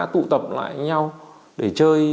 tụ tập lại nhau để chơi